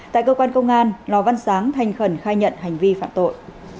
tại cơ quan công an lò văn sáng thanh khẩn khai nhận hành vi phạm tội